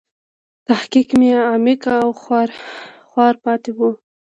تحقیق مې عقیم او خوار پاتې و.